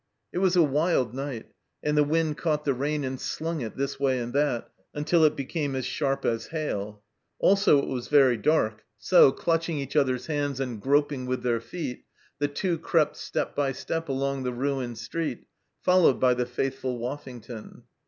It was a wild night, and the wind caught the rain and slun^it this way and that, until it became as sharp as hail. Also it was very dark, so, clutching VARIED LIFE IN PERVYSE 167 each other's hands and groping with their feet, the Two crept step by step along the ruined street, followed by the faithful Woffington.